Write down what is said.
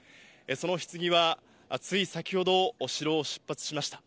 そのひつぎは、つい先ほどお城を出発しました。